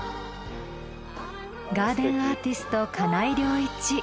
ガーデンアーティスト金井良一